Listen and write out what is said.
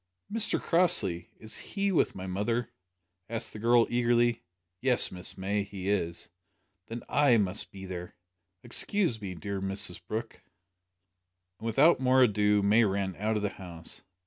"Mr Crossley! is he with my mother?" asked the girl eagerly. "Yes, Miss May, he is." "Then I must be there. Excuse me, dear Mrs Brooke." And without more ado May ran out of the house.